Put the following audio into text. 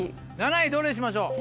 ７位どれにしましょう？